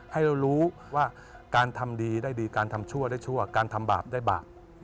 ให้เรารู้ว่าการทำดีได้ดีการทำชั่วได้ชั่วการทำบาปได้บาป